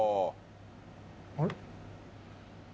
あれ？